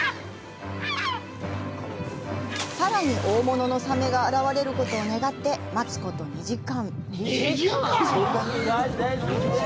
さらに大物のサメがあらわれることを願って待つこと２時間。